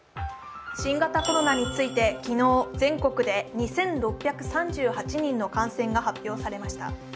新型コロナについて、昨日全国で２６３８人の感染が発表されました。